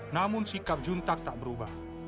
namun sikap juntak tak berubah